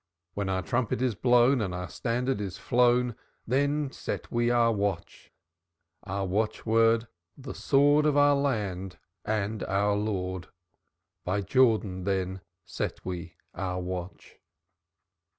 When our trumpet is blown, And our standard is flown, Then set we our watch. Our watchword, 'The sword Of our land and our Lord' By Jordan then set we our watch.